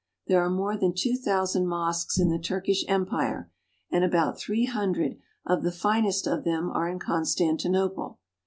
There are more than two thousand mosques in the Turkish Empire, and about three hundred of the finest of them are in Con stantinople.